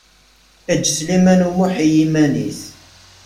Eǧǧ Sliman U Muḥ i yiman-is.